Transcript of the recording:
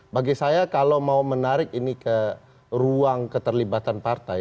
bagi saya kalau mau menarik ini ke ruang keterlibatan partai